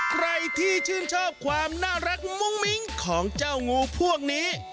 ใครที่ชื่นชอบความน่ารักมุ้งมิ้งของเจ้างูพวกนี้